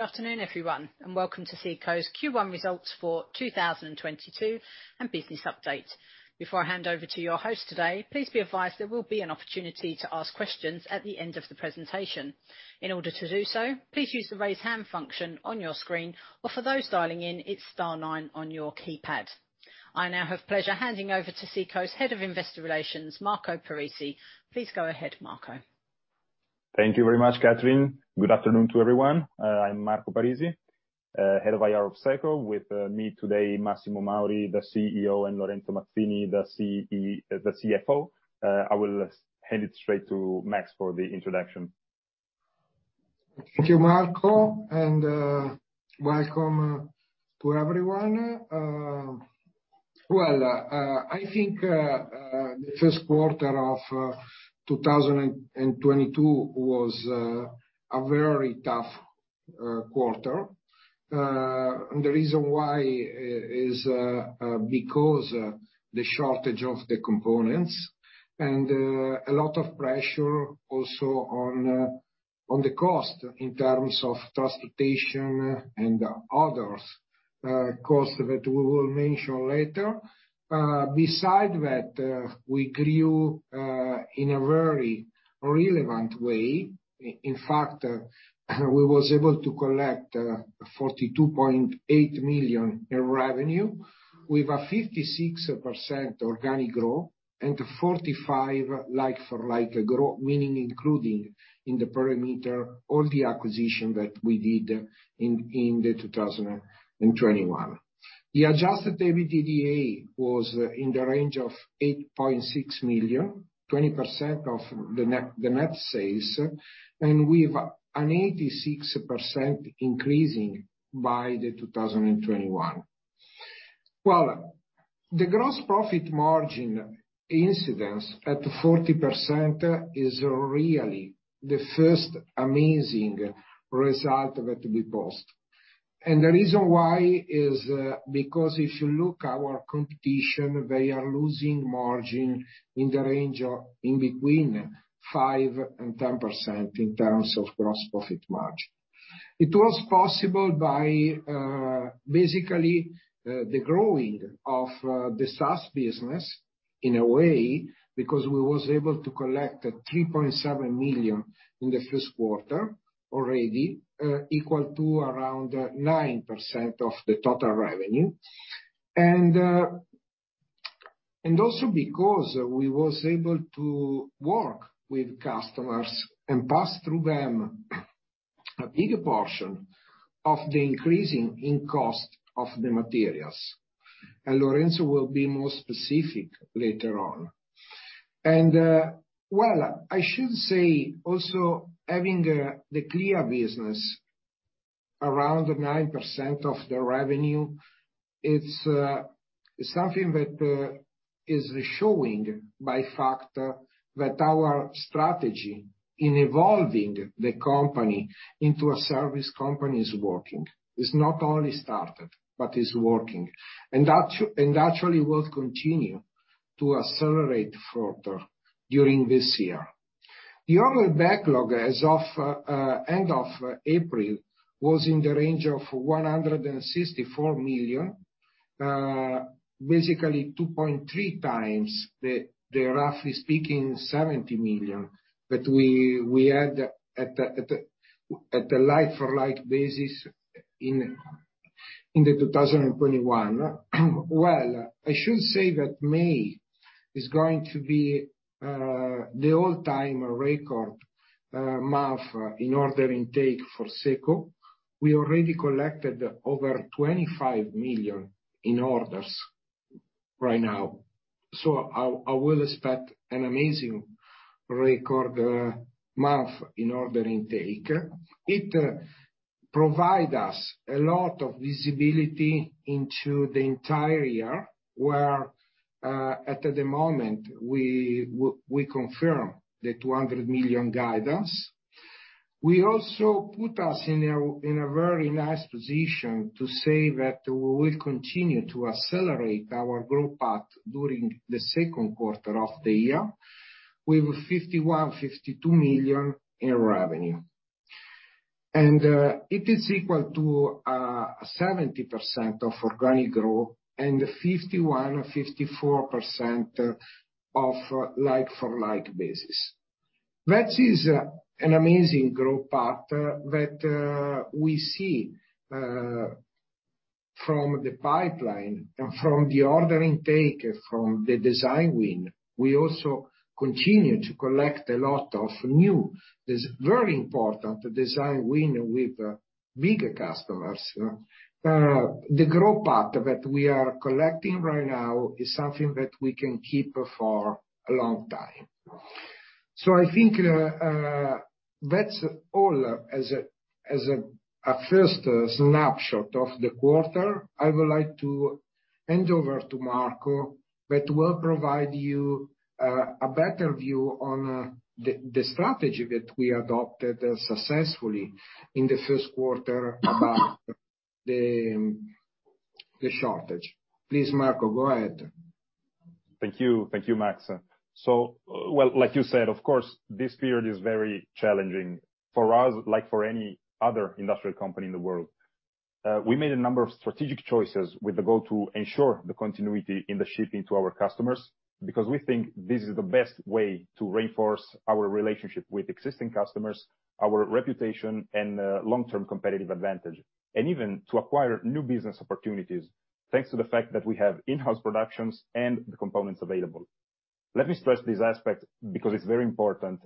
Afternoon, everyone, and welcome to SECO's Q1 results for 2022, and business update. Before I hand over to your host today, please be advised there will be an opportunity to ask questions at the end of the presentation. In order to do so, please use the Raise Hand function on your screen, or for those dialing in, it's star nine on your keypad. I now have pleasure handing over to SECO's Head of Investor Relations, Marco Parisi. Please go ahead, Marco. Thank you very much, Catherine. Good afternoon to everyone. I'm Marco Parisi, Head of IR of SECO. With me today, Massimo Mauri, the CEO, and Lorenzo Mazzini, the CFO. I will hand it straight to Max for the introduction. Thank you, Marco, and welcome to everyone. I think the Q1 of 2022 was a very tough quarter. The reason why is because the shortage of the components, and a lot of pressure also on the cost in terms of transportation and other costs that we will mention later. Besides that, we grew in a very relevant way. In fact, we was able to collect 42.8 million in revenue, with a 56% organic growth, and 45% like-for-like meaning including in the parameter all the acquisition that we did in 2021. The adjusted EBITDA was in the range of 8.6 million, 20% of the net sales. We've an 86% increase in 2021. Well, the gross profit margin incidence at 40% is really the first amazing result that we post. The reason why is because if you look our competition, they are losing margin in the range of between 5%-10% in terms of gross profit margin. It was possible by basically the growth of the SaaS business in a way, because we was able to collect 3.7 million in the Q1 already, equal to around 9% of the total revenue. also because we was able to work with customers and pass through them a bigger portion of the increase in cost of the materials. Lorenzo will be more specific later on. Well, I should say also having the CLEA business around 9% of the revenue, it's something that is showing by factor that our strategy in evolving the company into a service company is working. It's not only started, but is working. Actually will continue to accelerate further during this year. The annual backlog as of end of April was in the range of 164 million. Basically 2.3 times the roughly speaking 70 million that we had at the like-for-like basis in 2021. Well, I should say that May is going to be the all-time record month in order intake for SECO. We already collected over 25 million in orders right now. I will expect an amazing record month in order intake. It provides us a lot of visibility into the entire year, where at the moment, we confirm the 200 million guidance. It also puts us in a very nice position to say that we will continue to accelerate our growth path during the Q2 of the year with 51-52 million in revenue. It is equal to 70% organic growth and 51%-54% on a like-for-like basis. That is an amazing growth path that we see from the pipeline and from the order intake, from the design win. We also continue to collect a lot of new. It is very important the design win with bigger customers. The growth path that we are collecting right now is something that we can keep for a long time. I think that's all as a first snapshot of the quarter. I would like to hand over to Marco that will provide you a better view on the strategy that we adopted successfully in the Q1 of- The shortage. Please, Marco, go ahead. Thank you. Thank you, Max. Well, like you said, of course, this period is very challenging for us, like for any other industrial company in the world. We made a number of strategic choices with the goal to ensure the continuity and the shipping to our customers, because we think this is the best way to reinforce our relationship with existing customers, our reputation, and long-term competitive advantage, and even to acquire new business opportunities, thanks to the fact that we have in-house productions and the components available. Let me stress this aspect because it's very important.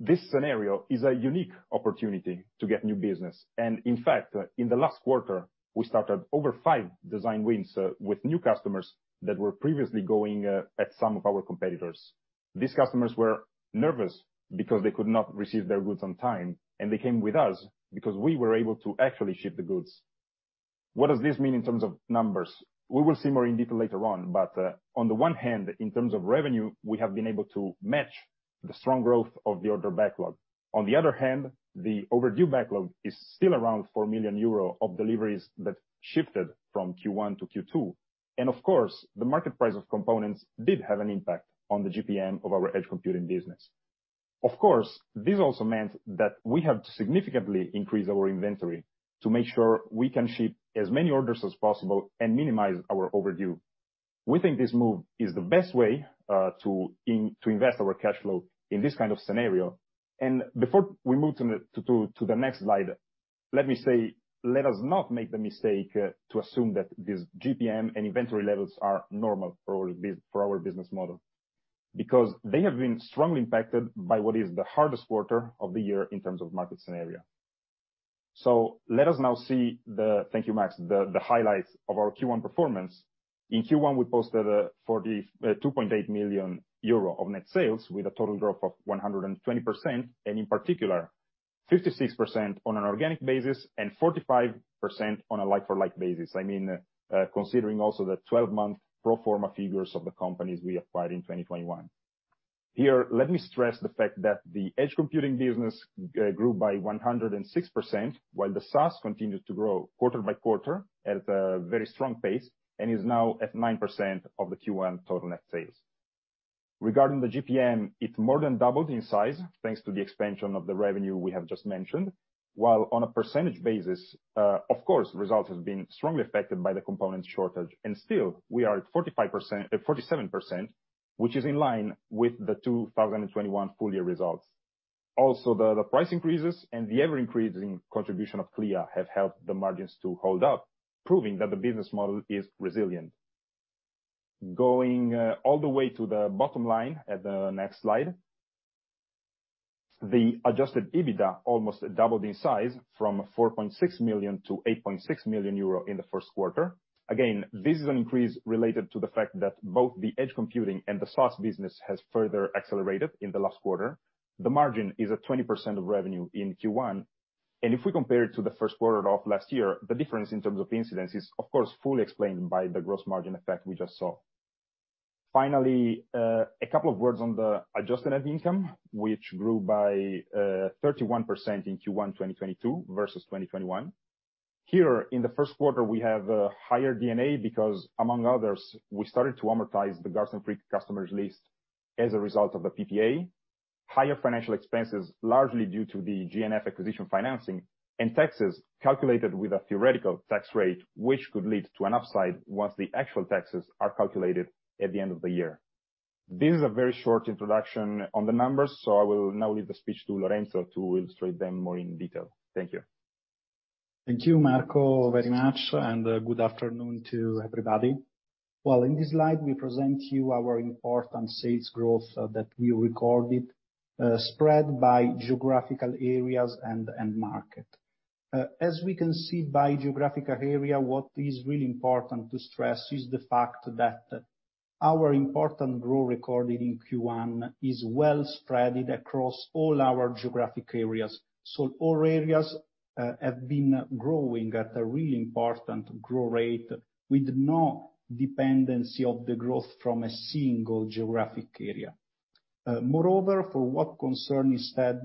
This scenario is a unique opportunity to get new business, and in fact, in the last quarter, we started over five design wins with new customers that were previously going at some of our competitors. These customers were nervous because they could not receive their goods on time, and they came with us because we were able to actually ship the goods. What does this mean in terms of numbers? We will see more in detail later on, but on the one hand, in terms of revenue, we have been able to match the strong growth of the order backlog. On the other hand, the overdue backlog is still around 4 million euro of deliveries that shifted from Q1 to Q2. Of course, the market price of components did have an impact on the GPM of our edge computing business. Of course, this also meant that we have to significantly increase our inventory to make sure we can ship as many orders as possible and minimize our overdue. We think this move is the best way to invest our cash flow in this kind of scenario. Before we move to the next slide, let me say, let us not make the mistake to assume that this GPM and inventory levels are normal for our business model. Because they have been strongly impacted by what is the hardest quarter of the year in terms of market scenario. Let us now see the highlights of our Q1 performance. Thank you, Max. The highlights of our Q1 performance. In Q1, we posted 42.8 million euro of net sales with a total growth of 120%, and in particular, 56% on an organic basis and 45% on a like for like basis. I mean, considering also the 12-month pro forma figures of the companies we acquired in 2021. Here, let me stress the fact that the edge computing business grew by 106%, while the SaaS continued to grow quarter by quarter at a very strong pace, and is now at 9% of the Q1 total net sales. Regarding the GPM, it more than doubled in size, thanks to the expansion of the revenue we have just mentioned, while on a percentage basis, of course, results have been strongly affected by the component shortage. Still, we are at 45%, 47%, which is in line with the 2021 full year results. Also, the price increases and the ever-increasing contribution of CLEA have helped the margins to hold up, proving that the business model is resilient. Going all the way to the bottom line at the next slide. The adjusted EBITDA almost doubled in size from 4.6 million to 8.6 million euro in the Q1. Again, this is an increase related to the fact that both the edge computing and the SaaS business has further accelerated in the last quarter. The margin is at 20% of revenue in Q1, and if we compare it to the Q1 of last year, the difference in terms of incidence is of course fully explained by the gross margin effect we just saw. Finally, a couple of words on the adjusted net income, which grew by 31% in Q1, 2022 versus 2021. Here, in the Q1, we have a higher D&A because among others, we started to amortize the Garz & Fricke customers list as a result of the PPA. Higher financial expenses, largely due to the G&F acquisition financing, and taxes calculated with a theoretical tax rate, which could lead to an upside once the actual taxes are calculated at the end of the year. This is a very short introduction on the numbers, so I will now leave the speech to Lorenzo to illustrate them more in detail. Thank you. Thank you, Marco, very much, and good afternoon to everybody. Well, in this slide we present you our important sales growth that we recorded spread by geographical areas and end market. As we can see by geographical area, what is really important to stress is the fact that our important growth recorded in Q1 is well spread across all our geographic areas. All areas have been growing at a really important growth rate with no dependency of the growth from a single geographic area. Moreover, for what concern instead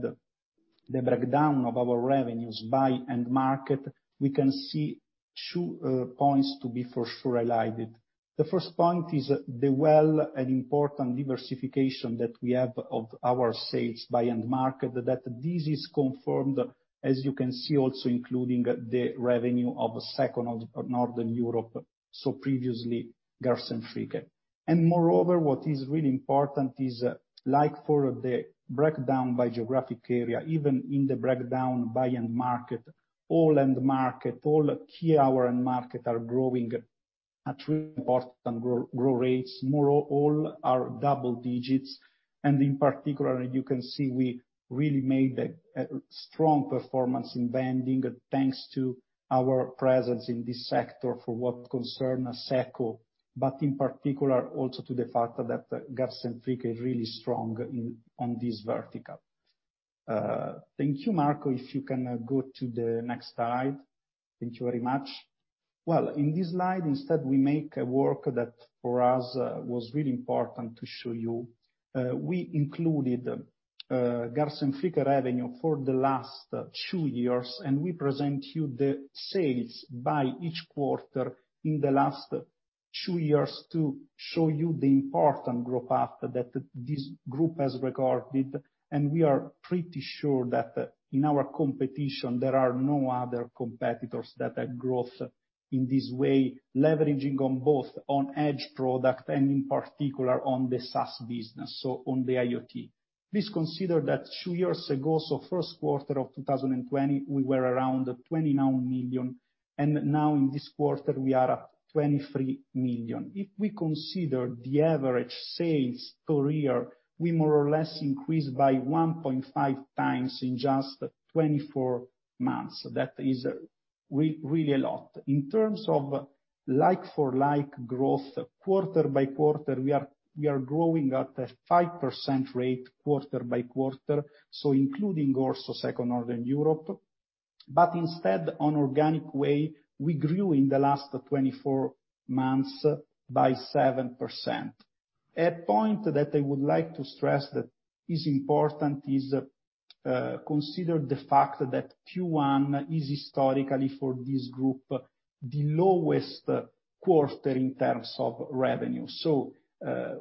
the breakdown of our revenues by end market, we can see two points to be for sure highlighted. The first point is the well and important diversification that we have of our sales by end market, that this is confirmed, as you can see, also including the revenue of SECO Northern Europe, so previously Garz & Fricke. Moreover, what is really important is, like for the breakdown by geographic area, even in the breakdown by end market, all end markets, all key end markets are growing at really important growth rates. All are double digits, and in particular, you can see we really made a strong performance in vending, thanks to our presence in this sector for what concerns SECO, but in particular also to the fact that Garz & Fricke is really strong in this vertical. Thank you, Marco. If you can go to the next slide. Thank you very much. Well, in this slide, instead we make a work that for us was really important to show you. We included Garz & Fricke revenue for the last two years, and we present you the sales by each quarter in the last two years to show you the important growth path that this group has recorded. We are pretty sure that in our competition, there are no other competitors that have growth in this way, leveraging on both edge product and in particular on the SaaS business, so on the IoT. Please consider that two years ago, so first quarter of 2020, we were around 29 million, and now in this quarter we are at 23 million. If we consider the average sales per year, we more or less increased by 1.5 times in just 24 months. That is really a lot. In terms of like for like growth quarter by quarter, we are growing at a 5% rate quarter by quarter, so including also SECO Northern Europe. Instead, on organic way, we grew in the last 24 months by 7%. A point that I would like to stress that is important is, consider the fact that Q1 is historically for this group, the lowest quarter in terms of revenue.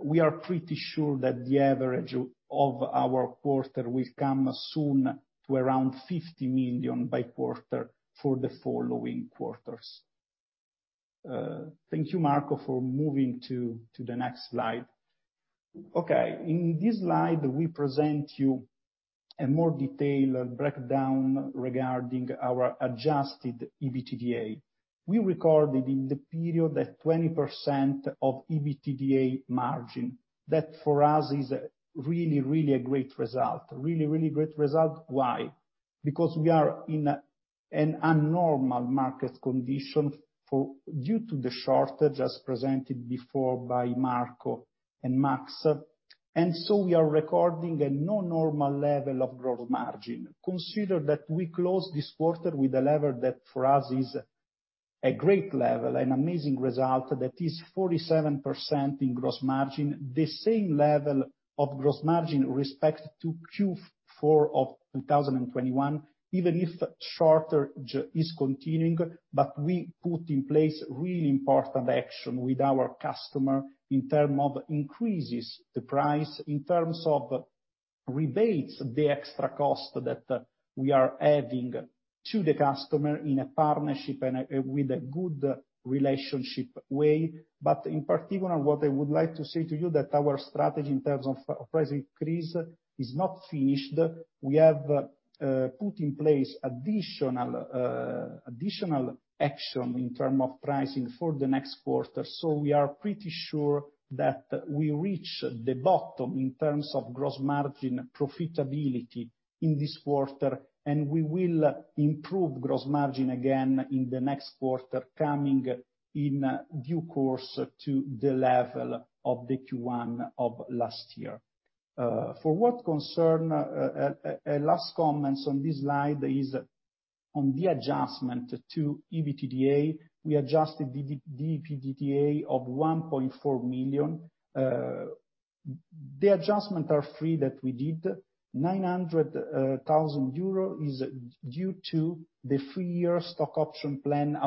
We are pretty sure that the average of our quarter will come soon to around 50 million by quarter for the following quarters. Thank you, Marco, for moving to the next slide. Okay, in this slide, we present you a more detailed breakdown regarding our adjusted EBITDA. We recorded in the period a 20% of EBITDA margin. That, for us, is really a great result. Really, really great result. Why? Because we are in an abnormal market condition due to the shortage as presented before by Marco and Max. We are recording an abnormal level of gross margin. Consider that we closed this quarter with a level that for us is a great level, an amazing result that is 47% in gross margin, the same level of gross margin respect to Q4 of 2021, even if the shortage is continuing. We put in place really important action with our customer in terms of increases the price, in terms of rebates, the extra cost that we are adding to the customer in a partnership and with a good relationship way. In particular, what I would like to say to you that our strategy in terms of price increase is not finished. We have put in place additional action in terms of pricing for the next quarter. We are pretty sure that we reach the bottom in terms of gross margin profitability in this quarter, and we will improve gross margin again in the next quarter coming in due course to the level of the Q1 of last year. For what concerns last comments on this slide is on the adjustment to EBITDA. We adjusted the EBITDA of 1.4 million. The adjustment are for that we did. 900 thousand euro is due to the three-year stock option plan's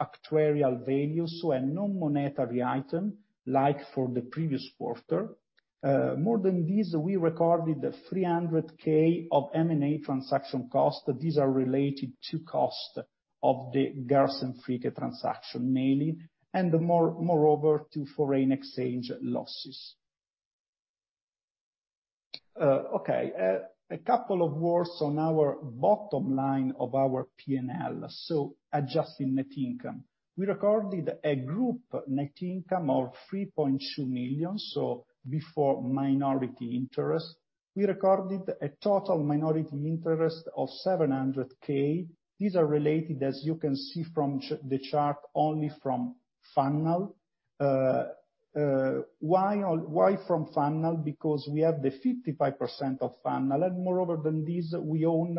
actuarial value, so a non-monetary item like for the previous quarter. More than this, we recorded 300 thousand of M&A transaction costs. These are related to cost of the Garz & Fricke transaction mainly, and more, moreover to foreign exchange losses. A couple of words on our bottom line of our P&L, so adjusting net income. We recorded a group net income of 3.2 million, so before minority interest. We recorded a total minority interest of 700K. These are related, as you can see from the chart, only from Fannal. Why from Fannal? Because we have the 55% of Fannal. Moreover than this, we own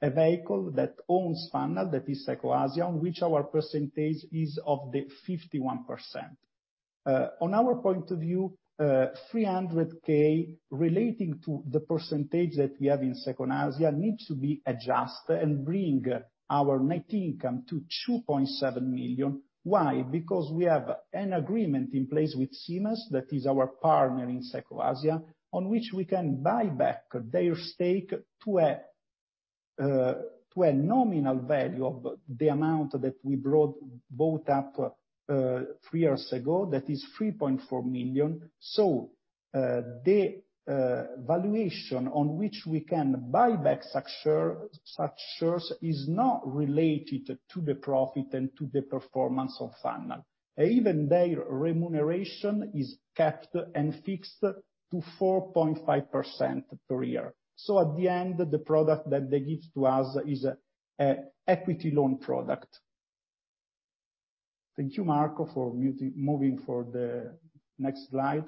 a vehicle that owns Fannal, that is SECO Asia, which our percentage is of the 51%. On our point of view, 300K relating to the percentage that we have in SECO Asia needs to be adjusted and bring our net income to 2.7 million. Why? Because we have an agreement in place with CMAS, that is our partner in SECO Asia, on which we can buy back their stake to a nominal value of the amount that we brought both up three years ago, that is 3.4 million. The valuation on which we can buy back such share, such shares is not related to the profit and to the performance of Fannal. Even their remuneration is kept and fixed to 4.5% per year. At the end, the product that they give to us is a equity loan product. Thank you, Marco, for moving to the next slide.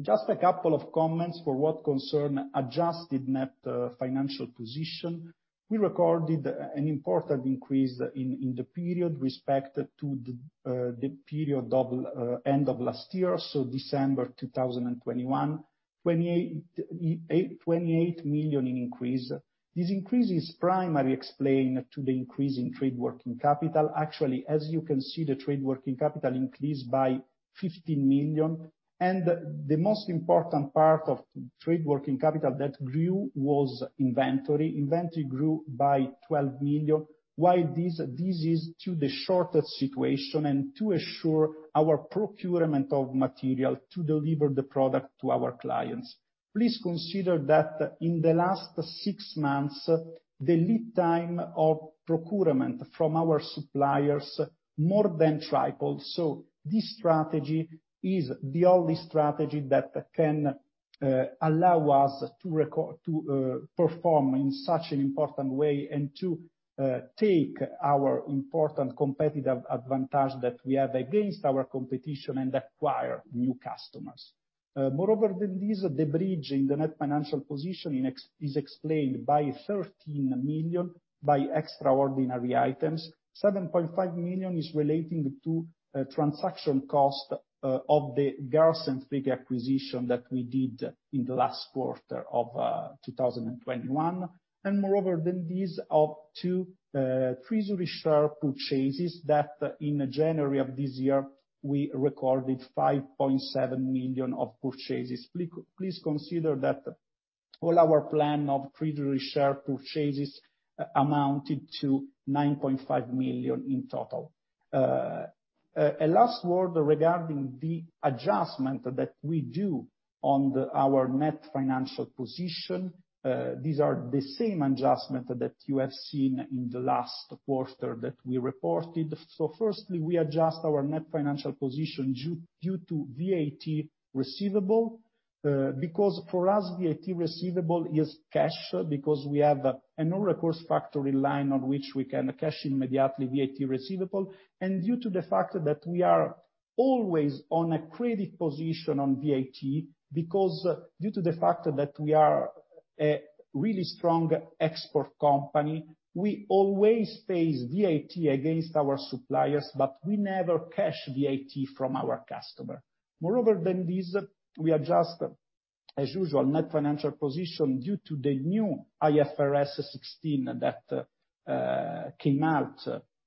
Just a couple of comments for what concerns adjusted net financial position. We recorded an important increase in the period with respect to the period of end of last year, so December 2021. 28 million increase. This increase is primarily explained by the increase in trade working capital. Actually, as you can see, the trade working capital increased by 15 million. The most important part of trade working capital that grew was inventory. Inventory grew by 12 million. Why this? This is due to the shortage situation and to assure our procurement of material to deliver the product to our clients. Please consider that in the last six months, the lead time of procurement from our suppliers more than tripled. This strategy is the only strategy that can allow us to perform in such an important way and to take our important competitive advantage that we have against our competition and acquire new customers. Moreover than this, the bridge in the net financial position is explained by 13 million by extraordinary items. 7.5 million is relating to transaction cost of the Garz & Fricke acquisition that we did in the last quarter of 2021. Moreover than these are two treasury share purchases that in January of this year we recorded 5.7 million of purchases. Please consider that all our plan of treasury share purchases amounted to 9.5 million in total. A last word regarding the adjustment that we do on our net financial position. These are the same adjustment that you have seen in the last quarter that we reported. Firstly, we adjust our net financial position due to VAT receivable. Because for us, VAT receivable is cash, because we have a non-recourse factoring line on which we can cash immediately VAT receivable. Due to the fact that we are always on a credit position on VAT, because due to the fact that we are a really strong export company, we always pay VAT to our suppliers, but we never charge VAT to our customer. More than this, we adjust, as usual, net financial position due to the new IFRS 16 that came out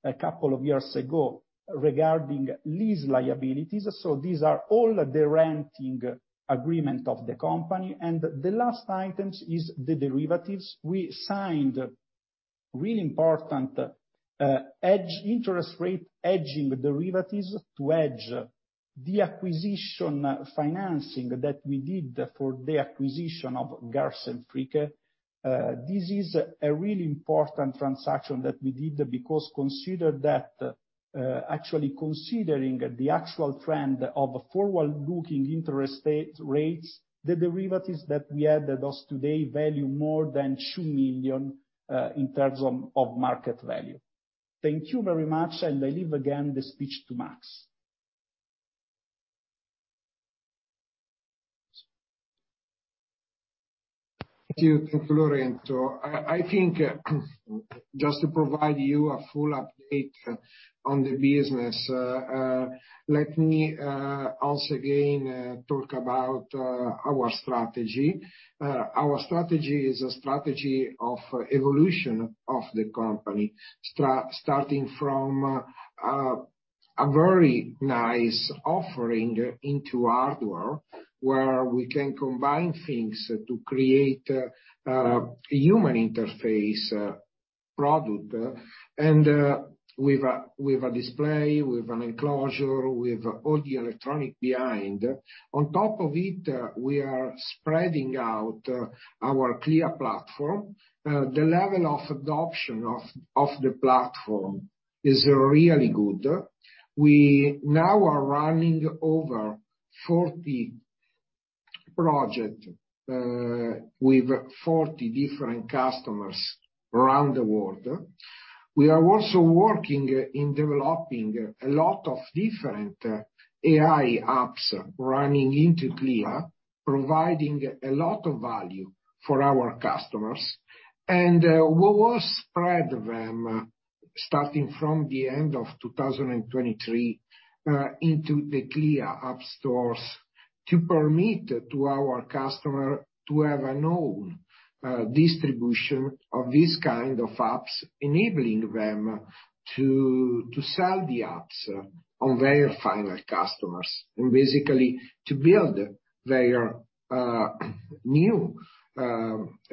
a couple of years ago regarding lease liabilities. These are all the lease agreements of the company. The last item is the derivatives. We signed really important interest rate hedging derivatives to hedge the acquisition financing that we did for the acquisition of Garz & Fricke. This is a really important transaction that we did because consider that, actually considering the actual trend of forward-looking interest rates, the derivatives that we added as of today value more than 2 million in terms of of market value. Thank you very much, and I leave again the speech to Max. Thank you, Lorenzo. I think just to provide you a full update on the business, let me once again talk about our strategy. Our strategy is a strategy of evolution of the company, starting from a very nice offering into hardware, where we can combine things to create a human interface product. With a display, with an enclosure, with all the electronics behind. On top of it, we are spreading out our CLEA platform. The level of adoption of the platform is really good. We now are running over 40 projects with 40 different customers around the world. We are also working on developing a lot of different AI apps running on CLEA, providing a lot of value for our customers. We will spread them, starting from the end of 2023, into the CLEA App Store to permit our customer to have a known distribution of these kind of apps, enabling them to sell the apps on their final customers. Basically to build their new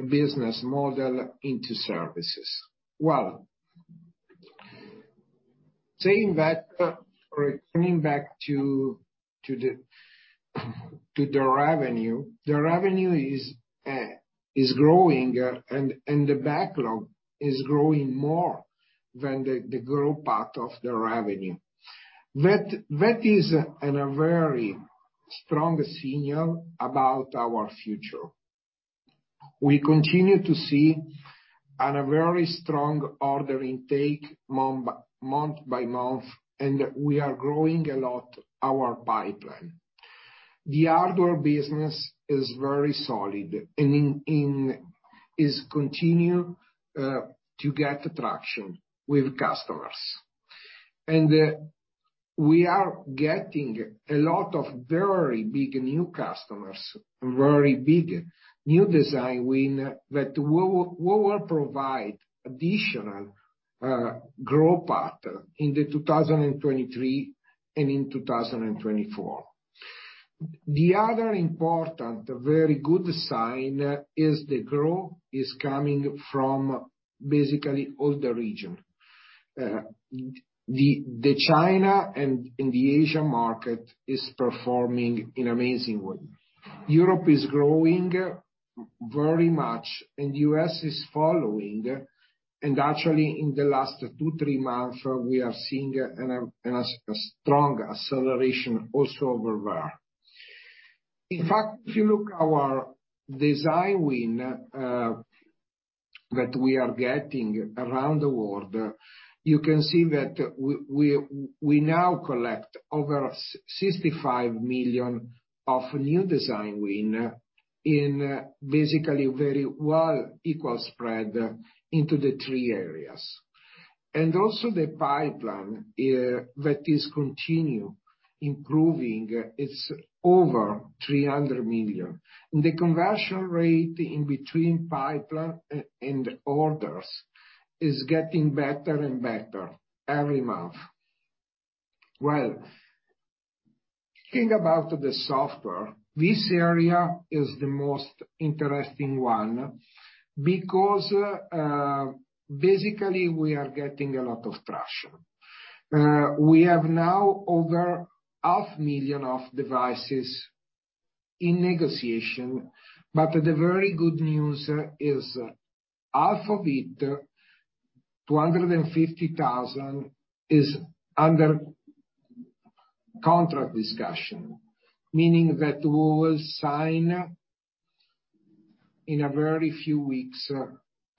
business model into services. Well, saying that or coming back to the revenue. The revenue is growing and the backlog is growing more than the growth part of the revenue. That is a very strong signal about our future. We continue to see a very strong order intake month by month, and we are growing a lot our pipeline. The order business is very solid, and it continues to get traction with customers. We are getting a lot of very big new customers, very big new design win that we will provide additional growth path in 2023 and in 2024. The other important, very good sign is the growth is coming from basically all the region. The China and the Asia market is performing in amazing way. Europe is growing very much, and U.S. is following. Actually in the last two, three months, we are seeing a strong acceleration also over there. In fact, if you look our design win that we are getting around the world, you can see that we now collect over 65 million of new design win in basically very well equal spread into the three areas. Also the pipeline that is continue improving is over 300 million. The conversion rate in between pipeline and orders is getting better and better every month. Well, think about the software. This area is the most interesting one because, basically, we are getting a lot of traction. We have now over 500,000 devices in negotiation, but the very good news is half of it, 250,000, is under contract discussion. Meaning that we will sign in a very few weeks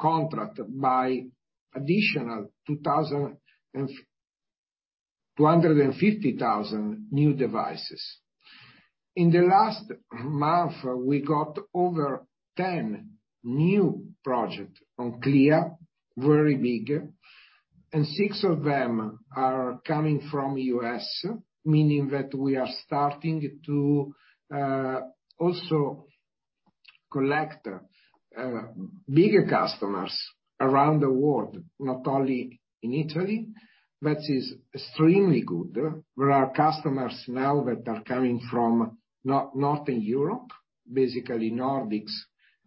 contract for additional 250,000 new devices. In the last month, we got over 10 new project on CLEA, very big, and 6 of them are coming from U.S. Meaning that we are starting to also collect bigger customers around the world, not only in Italy. That is extremely good. There are customers now that are coming from Northern Europe, basically Nordics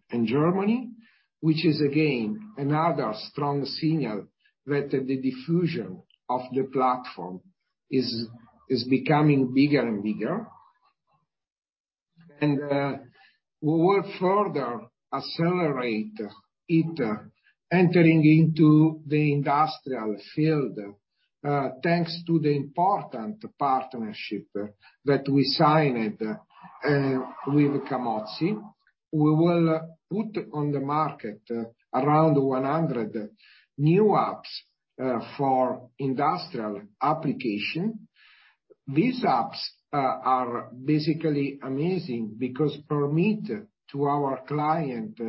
and Germany, which is again another strong signal that the diffusion of the platform is becoming bigger and bigger. We will further accelerate it entering into the industrial field, thanks to the important partnership that we signed with Camozzi. We will put on the market around 100 new apps for industrial application. These apps are basically amazing because they permit our clients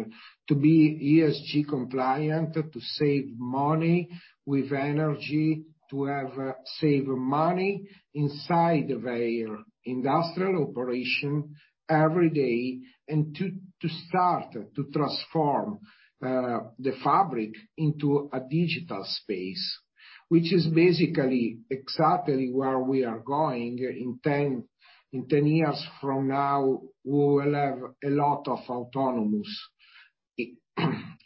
to be ESG compliant, to save money with energy, to save money inside their industrial operation every day, and to start to transform the factory into a digital space. Which is basically exactly where we are going. In 10 years from now, we will have a lot of autonomous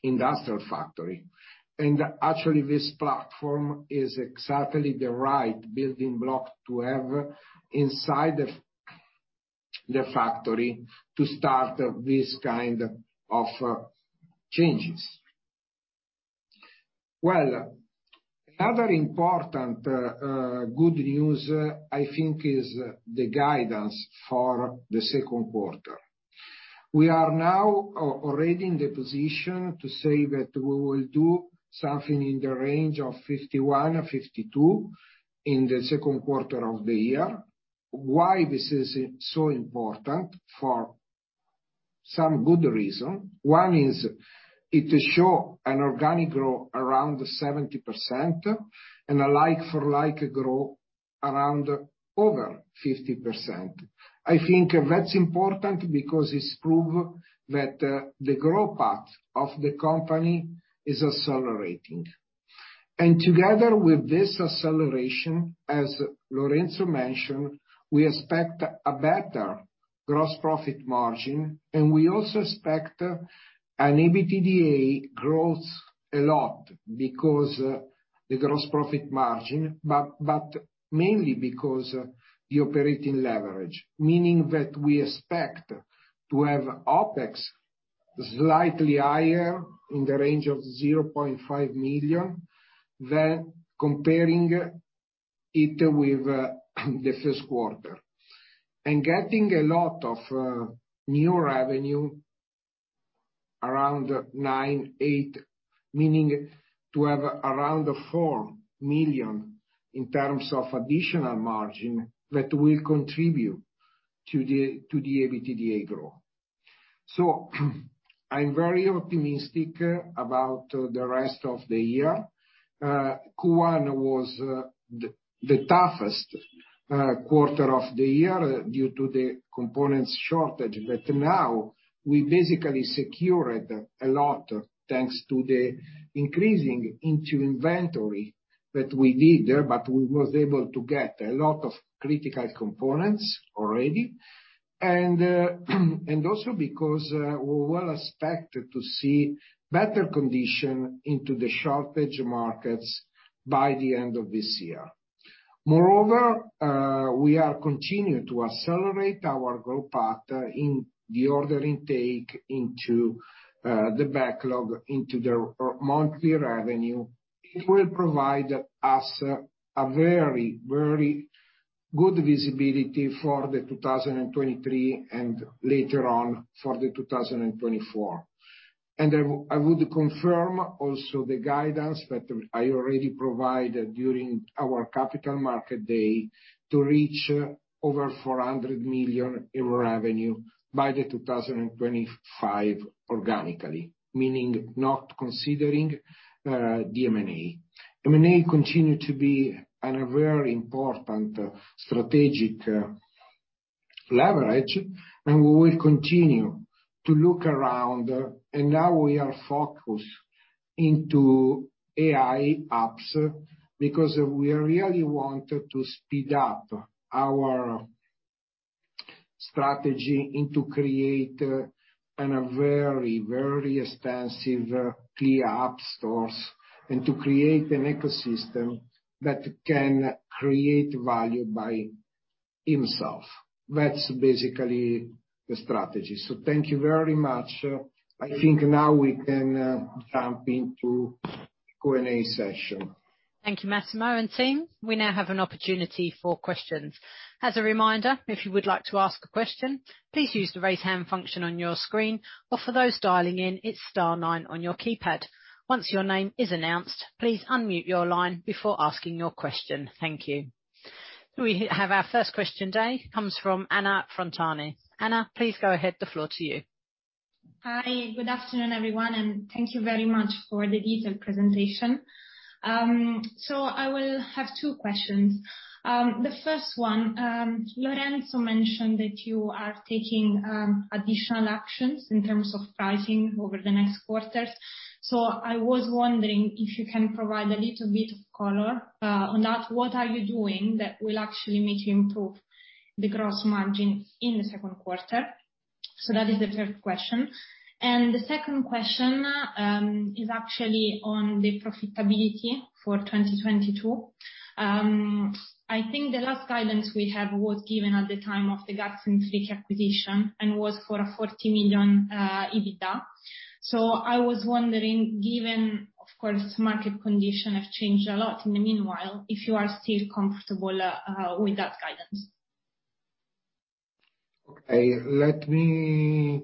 industrial factory. Actually this platform is exactly the right building block to have inside the factory to start this kind of changes. Well, other important good news I think is the guidance for the second quarter. We are now already in the position to say that we will do something in the range of 51-52 in the second quarter of the year. Why this is so important? For some good reason. One is it shows an organic growth around 70% and a like-for-like growth around over 50%. I think that's important because it proves that the growth path of the company is accelerating. Together with this acceleration, as Lorenzo mentioned, we expect a better gross profit margin, and we also expect an EBITDA growth a lot because the gross profit margin, but mainly because the operating leverage. Meaning that we expect to have OPEX slightly higher in the range of 0.5 million than comparing it with the first quarter. Getting a lot of new revenue around 9.8, meaning to have around 4 million in terms of additional margin that will contribute to the EBITDA growth. I'm very optimistic about the rest of the year. Q1 was the toughest quarter of the year due to the components shortage. Now we basically secured a lot, thanks to the investment in inventory that we need, but we was able to get a lot of critical components already. Also because we're well expected to see better condition in the shortage markets by the end of this year. Moreover, we are continuing to accelerate our growth path in the order intake into the backlog into the monthly revenue. It will provide us a very, very good visibility for 2023, and later on, for 2024. I would confirm also the guidance that I already provided during our capital market day to reach over 400 million in revenue by 2025 organically. Meaning not considering the M&A. M&A continue to be a very important strategic leverage, and we will continue to look around. Now we are focused into AI apps because we really want to speed up our strategy and to create a very, very extensive CLEA App Store. To create an ecosystem that can create value by itself. That's basically the strategy. Thank you very much. I think now we can, jump into Q&A session. Thank you, Massimo and team. We now have an opportunity for questions. As a reminder, if you would like to ask a question, please use the Raise Hand function on your screen, or for those dialing in, it's star nine on your keypad. Once your name is announced, please unmute your line before asking your question. Thank you. We have our first question today, comes from Anna Frontani. Anna, please go ahead, the floor to you. Hi, good afternoon, everyone, and thank you very much for the detailed presentation. I will have two questions. The first one, Lorenzo mentioned that you are taking additional actions in terms of pricing over the next quarters. I was wondering if you can provide a little bit of color on that. What are you doing that will actually make you improve the gross margin in the second quarter? That is the first question. The second question is actually on the profitability for 2022. I think the last guidance we had was given at the time of the Okay.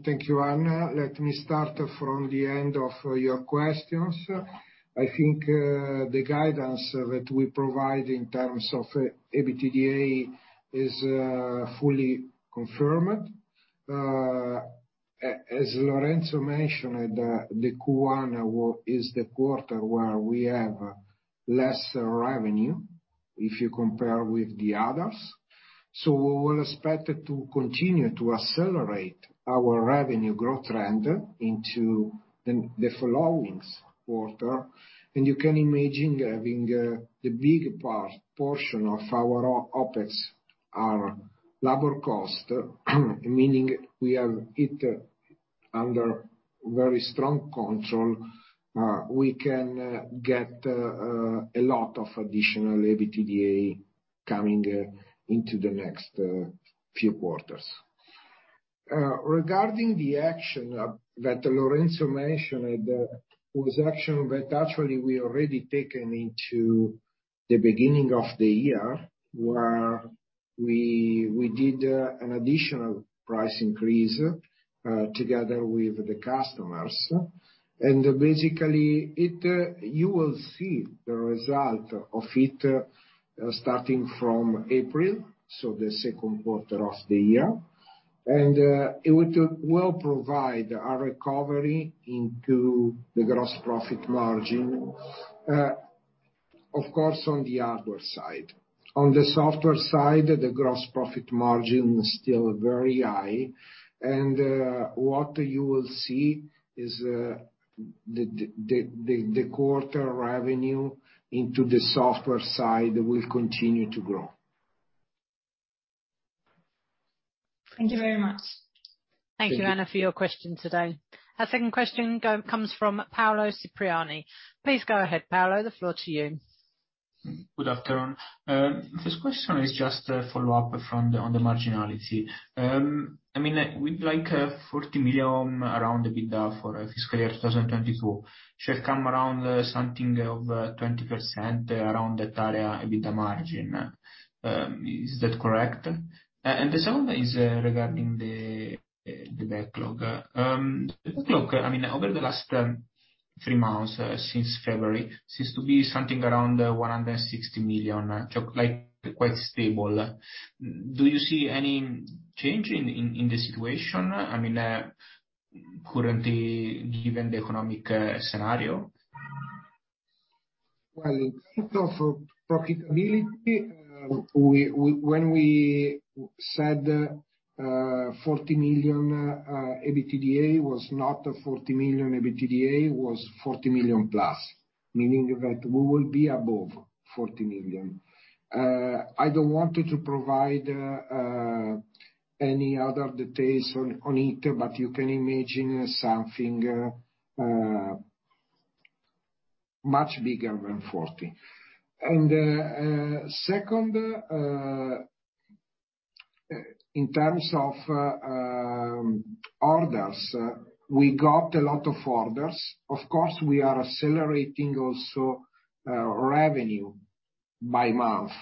Thank you, Anna. Let me start from the end of your questions. I think the guidance that we provide in terms of EBITDA is fully confirmed. As Lorenzo mentioned, the Q1 is the quarter where we have less revenue if you compare with the others. We will expect to continue to accelerate our revenue growth trend into the following quarters. You can imagine having the big portion of our OPEX, our labor cost, meaning we have it under very strong control. We can get a lot of additional EBITDA coming into the next few quarters. Regarding the action that Lorenzo mentioned, it was action that actually we already taken at the beginning of the year, where we did an additional price increase together with the customers. Basically, you will see the result of it starting from April, so the second quarter of the year. It will provide a recovery in the gross profit margin, of course, on the hardware side. On the software side, the gross profit margin is still very high and what you will see is the quarterly revenue in the software side will continue to grow. Thank you very much. Thank you. Thank you, Anna, for your question today. Our second question comes from Paolo Cipriani. Please go ahead, Paolo, the floor to you. Good afternoon. First question is just a follow-up from the, on the marginality. I mean, with like, 40 million around EBITDA for fiscal year 2022 should come around something of, 20% around that area EBITDA margin. Is that correct? The second is, regarding the backlog. The backlog, I mean, over the last three months, since February, seems to be something around, 160 million, so like quite stable. Do you see any change in the situation? I mean, currently, given the economic scenario? Well, in terms of profitability, we when we said forty million, EBITDA was not a forty million EBITDA, it was forty million plus, meaning that we will be above forty million. I don't want to provide any other details on it, but you can imagine something much bigger than forty. Second, in terms of orders, we got a lot of orders. Of course, we are accelerating also revenue by month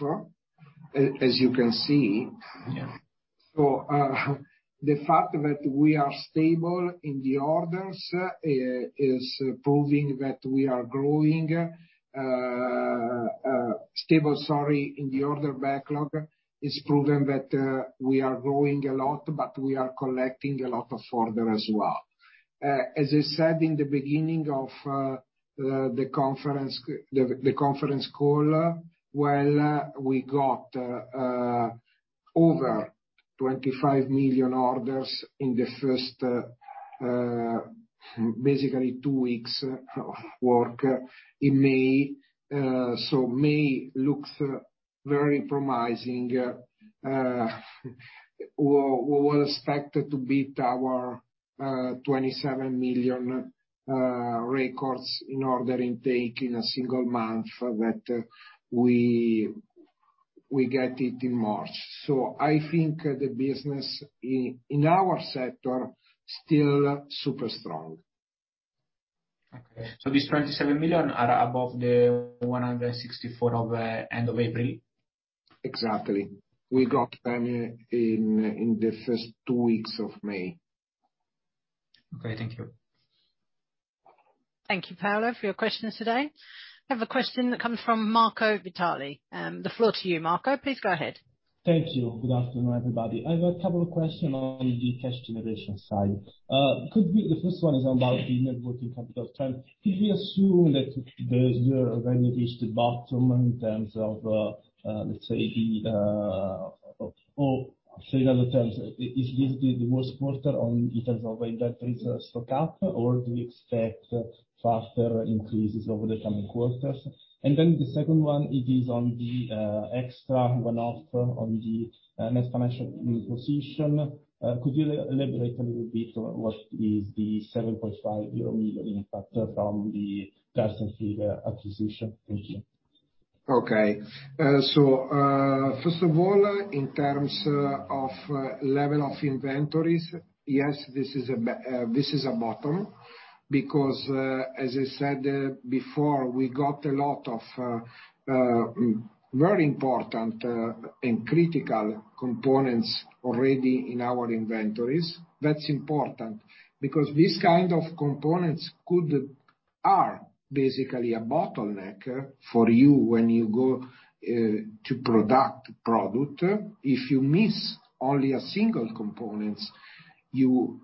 as you can see. Yeah. The fact that we are stable in the orders is proving that we are growing stable in the order backlog is proving that we are growing a lot, but we are collecting a lot of orders as well. As I said in the beginning of the conference call, well, we got over 25 million orders in the first basically two weeks of work in May. May looks very promising. We're expected to beat our 27 million record in order intake in a single month that we got it in March. I think the business in our sector still super strong. Okay. These 27 million are above the 164 of end of April? Exactly. We got them in the first two weeks of May. Okay. Thank you. Thank you, Paolo, for your questions today. I have a question that comes from Marco Vitali. The floor to you, Marco. Please go ahead. Thank you. Good afternoon, everybody. I have a couple of questions on the cash generation side. The first one is about the net working capital trend. Could we assume that the revenues have bottomed in terms of, let's say, the, or say it in other terms. Is this the worst quarter in terms of inventories stock up, or do you expect further increases over the coming quarters? The second one is on the extra one-off on the net financial position. Could you elaborate a little bit on what is the 7.5 million euro impact from the Garz & Fricke acquisition? Thank you. Okay. First of all, in terms of level of inventories, yes, this is a bottom, because, as I said, before, we got a lot of very important and critical components already in our inventories. That's important because these kind of components are basically a bottleneck for you when you go to production. If you miss only a single components, you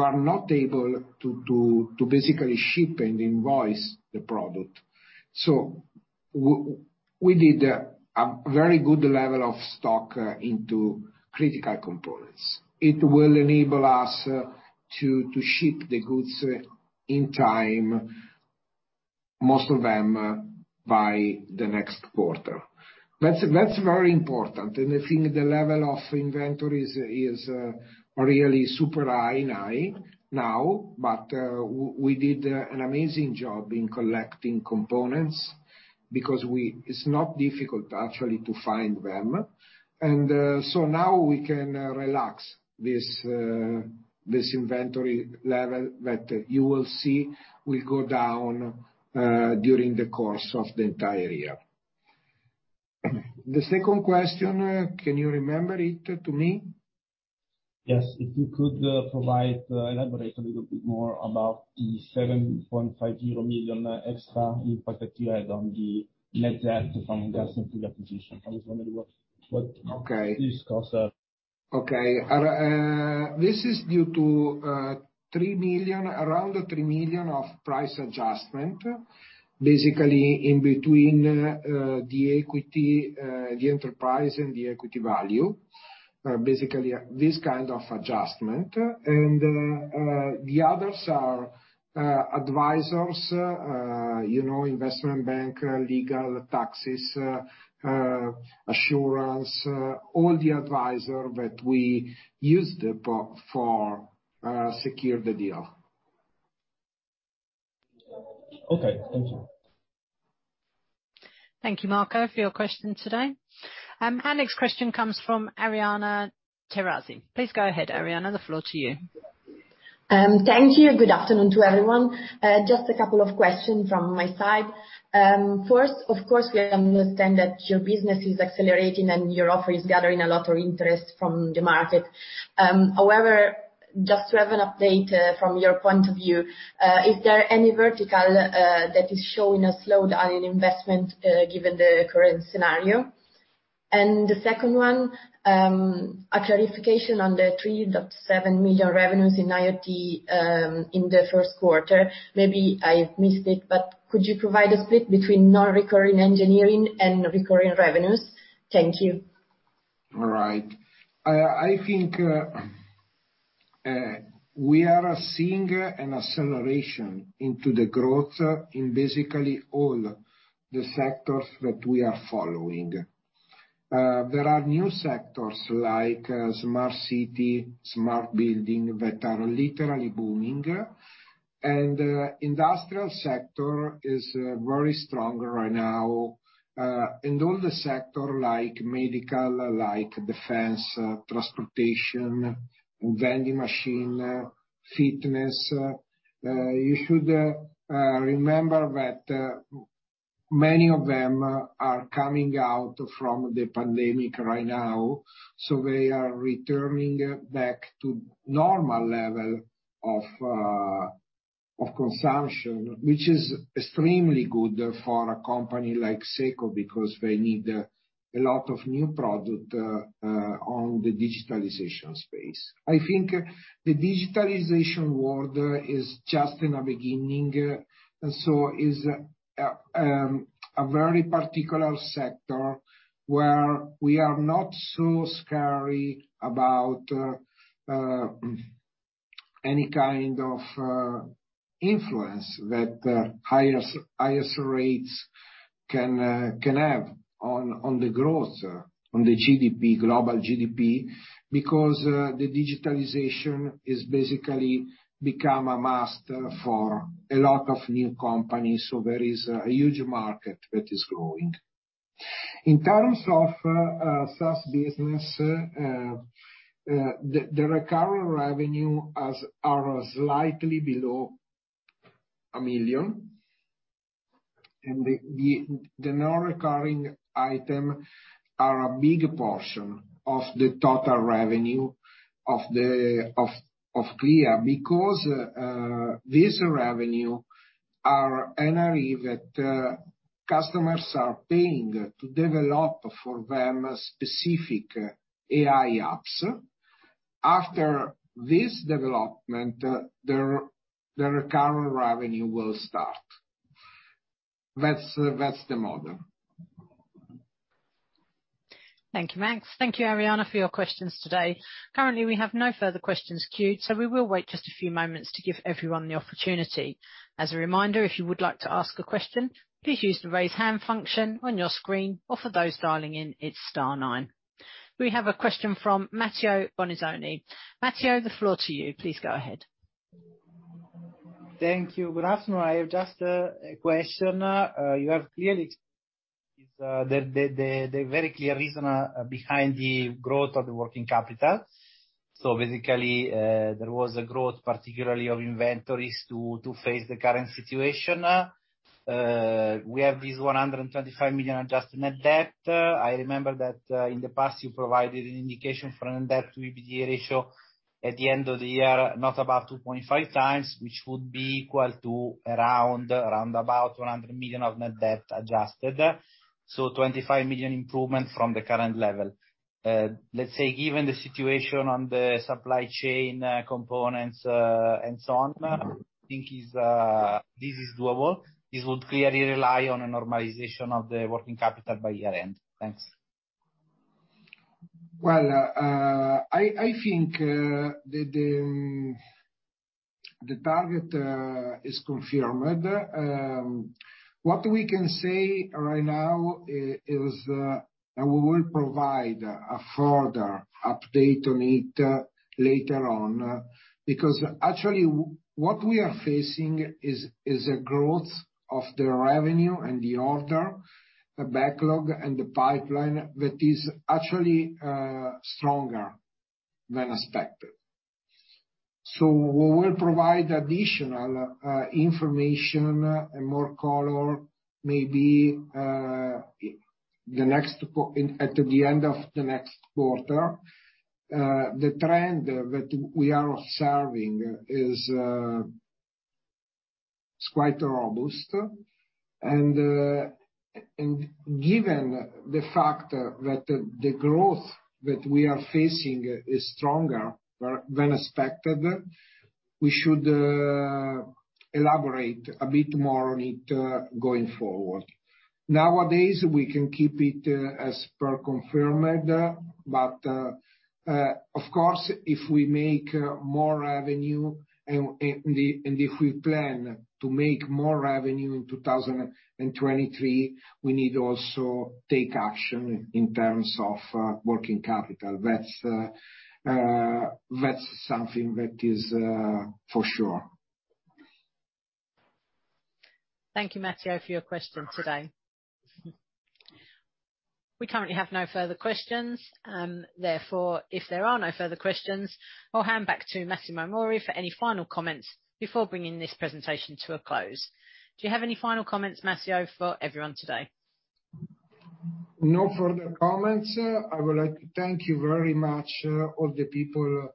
are not able to basically ship and invoice the product. We did a very good level of stock into critical components. It will enable us to ship the goods in time, most of them by the next quarter. That's very important, and I think the level of inventories is really super high now. We did an amazing job in collecting components because it's not difficult actually to find them. We can relax this inventory level that you will see will go down during the course of the entire year. The second question, can you remember it to me? Yes. If you could provide, elaborate a little bit more about the 7.5 million extra impact that you had on the net debt from Garz & Fricke acquisition. I was wondering what. Okay. This caused the- Okay. This is due to 3 million, around 3 million of price adjustment, basically in between the equity, the enterprise and the equity value, basically this kind of adjustment. The others are advisors, you know, investment bank, legal, taxes, insurance, all the advisors that we used to secure the deal. Okay, thank you. Thank you, Marco, for your question today. Our next question comes from Arianna Terazzi. Please go ahead, Arianna, the floor to you. Thank you and good afternoon to everyone. Just a couple of questions from my side. First, of course, we understand that your business is accelerating and your offer is gathering a lot of interest from the market. However, just to have an update, from your point of view, is there any vertical that is showing a slowdown in investment, given the current scenario? The second one, a clarification on the 3 million of the 7 million revenues in IoT, in the first quarter. Maybe I missed it, but could you provide a split between non-recurring engineering and recurring revenues? Thank you. All right. I think we are seeing an acceleration into the growth in basically all the sectors that we are following. There are new sectors like smart city, smart building that are literally booming. Industrial sector is very strong right now. All the sector like medical, like defense, transportation, vending machine, fitness. You should remember that many of them are coming out from the pandemic right now, so they are returning back to normal level of consumption, which is extremely good for a company like SECO because they need a lot of new product on the digitalization space. I think the digitalization world is just in a beginning, and so is a very particular sector where we are not so scared about any kind of influence that higher rates can have on the growth, on the GDP, global GDP, because the digitalization is basically become a must for a lot of new companies. There is a huge market that is growing. In terms of SaaS business, the recurring revenue are slightly below 1 million, and the non-recurring item are a big portion of the total revenue of CLEA. Because this revenue are NRE that customers are paying to develop for them specific AI apps. After this development, the recurring revenue will start. That's the model. Thank you, Max. Thank you, Ariana, for your questions today. Currently, we have no further questions queued, so we will wait just a few moments to give everyone the opportunity. As a reminder, if you would like to ask a question, please use the raise hand function on your screen, or for those dialing in, it's star nine. We have a question from Matteo Bonizoni. Matteo, the floor to you. Please go ahead. Thank you. Good afternoon. I have just a question. You have clearly Yes. The very clear reason behind the growth of the working capital. Basically, there was a growth particularly of inventories to face the current situation. We have this 125 million adjusted net debt. I remember that, in the past you provided an indication for net debt to EBITDA ratio at the end of the year, around 2.5 times, which would be equal to around about 100 million of net debt adjusted. Twenty-five million improvement from the current level. Let's say given the situation on the supply chain, components, and so on, do you think this is doable? This would clearly rely on a normalization of the working capital by year-end. Thanks. I think the target is confirmed. What we can say right now is we will provide a further update on it later on. Because actually, what we are facing is a growth of the revenue and the order, the backlog and the pipeline that is actually stronger than expected. We will provide additional information and more color maybe at the end of the next quarter. The trend that we are observing is quite robust. Given the fact that the growth that we are facing is stronger than expected, we should elaborate a bit more on it going forward. Nowadays, we can keep it as per confirmed. Of course, if we make more revenue and if we plan to make more revenue in 2023, we need also take action in terms of working capital. That's something that is for sure. Thank you, Matteo, for your question today. We currently have no further questions. Therefore, if there are no further questions, I'll hand back to Massimo Mauri for any final comments before bringing this presentation to a close. Do you have any final comments, Massimo Mauri, for everyone today? No further comments. I would like to thank you very much, all the people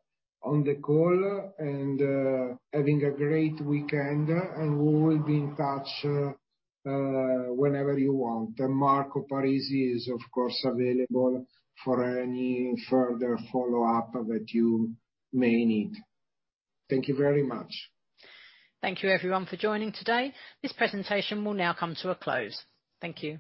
on the call, and having a great weekend. We will be in touch, whenever you want. Marco Parisi is, of course, available for any further follow-up that you may need. Thank you very much. Thank you everyone for joining today. This presentation will now come to a close. Thank you.